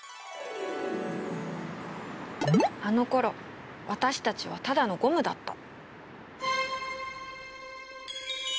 あのころ私たちはただのゴムだった。